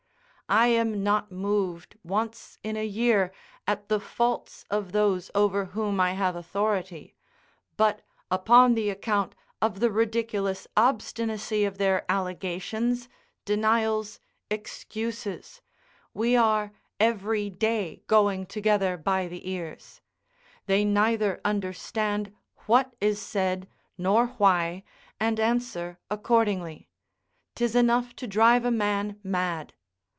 I am not moved once in a year at the faults of those over whom I have authority, but upon the account of the ridiculous obstinacy of their allegations, denials, excuses, we are every day going together by the ears; they neither understand what is said, nor why, and answer accordingly; 'tis enough to drive a man mad.